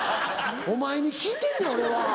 お前に聞いてんねん俺は。